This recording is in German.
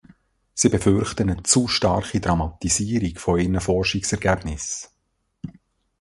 Sie befürchten eine zu starke Dramatisierung ihrer Forschungsergebnisse.